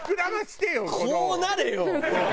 こうなれよ！